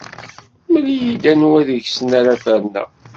Mel-iyi-d anwa deg-sen ara ferneɣ.